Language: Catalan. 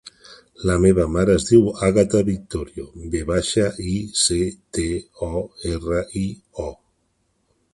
La meva mare es diu Àgata Victorio: ve baixa, i, ce, te, o, erra, i, o.